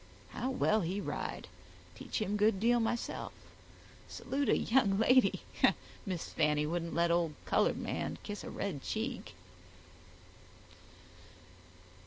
"How well he ride—teach him good deal myself—salute a young lady—Miss Fanny wouldn't let old colored man kiss a red cheek."